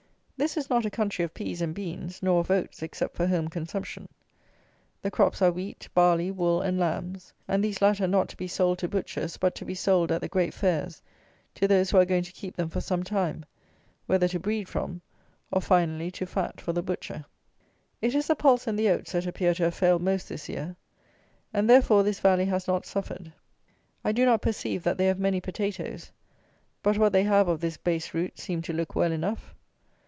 This is not a country of pease and beans, nor of oats, except for home consumption. The crops are wheat, barley, wool, and lambs, and these latter not to be sold to butchers, but to be sold, at the great fairs, to those who are going to keep them for some time, whether to breed from, or finally to fat for the butcher. It is the pulse and the oats that appear to have failed most this year; and therefore this Valley has not suffered. I do not perceive that they have many potatoes; but what they have of this base root seem to look well enough.